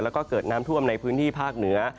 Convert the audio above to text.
แล้วก็เกิดน้ำท่วมในพื้นที่ภาคเหนือ